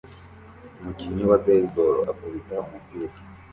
Umukinnyi wa baseball akubita umupira